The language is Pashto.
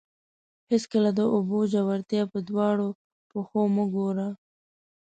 هېڅکله د اوبو ژورتیا په دواړو پښو مه ګوره.